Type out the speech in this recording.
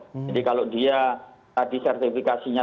jadi kalau dia tadi sertifikasinya